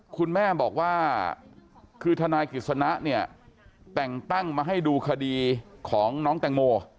คุณแม่บอกว่าคือทนายกฤษณะเนี่ยแต่งตั้งมาให้ดูคดีของน้องแตงโม